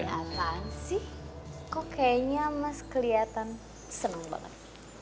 apaan sih kok kayaknya mas kelihatan seneng banget